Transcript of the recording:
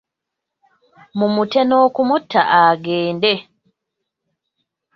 Mumute n'okumuta agende.